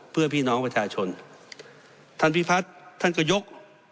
เพื่อพี่น้องประชาชนท่านพิพัฒน์ท่านก็ยก